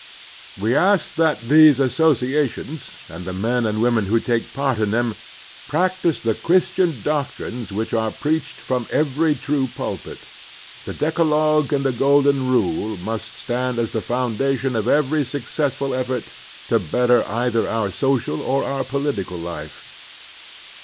We ask that these associations, and the men and women who take part in them, practise the Christian doctrines which are preached from every true pulpit. The Decalogue and the Golden Rule must stand as the foimdation of every successful effort to better either our social or our political life.